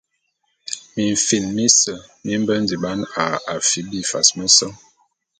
Mimfin mise mi mbe ndiban a afip bifas meseñ.